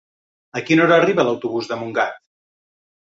A quina hora arriba l'autobús de Montgat?